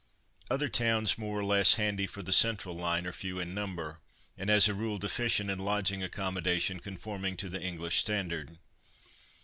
Other towns more or less handy for the central line are few in number, and as a rule deficient in lodging accommodation conforming to the English standard.